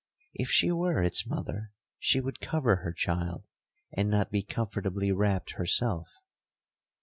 If she were its mother, she would cover her child, and not be comfortably wrapt herself.'